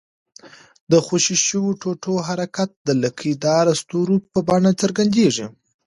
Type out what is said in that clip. د خوشي شوي ټوټو حرکت د لکۍ داره ستوري په بڼه څرګندیږي.